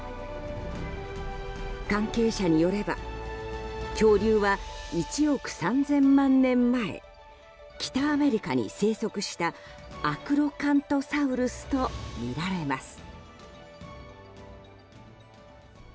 関係者によれば恐竜は１億３０００万年前北アメリカに生息したアクロカントサウルスとみられます。